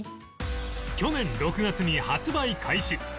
去年６月に発売開始